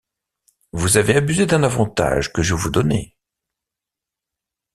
Vous avez abusé d’un avantage que je vous donnais...